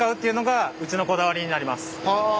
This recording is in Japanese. はあ！